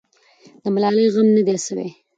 د ملالۍ غم نه دی سوی.